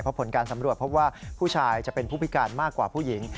เพราะผลการสำรวจพบว่าผู้ชายจะเป็นผู้พิการมากกว่าผู้หญิง